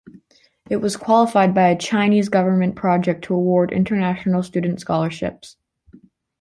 It was qualified by a Chinese government project to award international student scholarships.